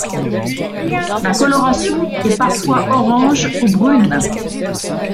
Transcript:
La coloration est parfois orange ou brune.